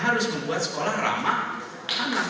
harus membuat sekolah ramah anak